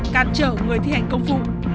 cảm trở người thi hành công vụ